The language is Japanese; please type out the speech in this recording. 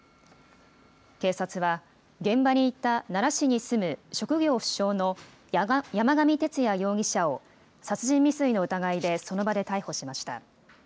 警察は、現場にいた奈良市に住む職業不詳の山上徹也容疑者を、殺人未遂の疑いでその場で逮捕しました。